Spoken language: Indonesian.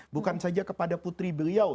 bukan saja kepada putri beliau